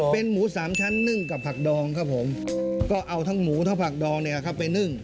เป็นหมูสามชั้นนึ่งกับผักดองครับผมก็เอาทั้งหมูทั้งผักดองเนี่ยครับไปนึ่ง